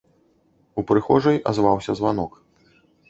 У прыхожай азваўся званок.